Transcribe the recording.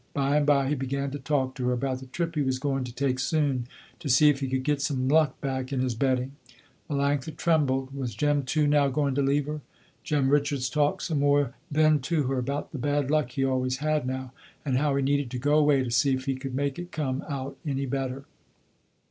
By and by he began to talk to her, about the trip he was going to take soon, to see if he could get some luck back in his betting. Melanctha trembled, was Jem too now going to leave her. Jem Richards talked some more then to her, about the bad luck he always had now, and how he needed to go away to see if he could make it come out any better.